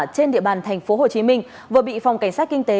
trên địa bàn thành phố hồ chí minh vừa bị phòng cảnh sát kinh tế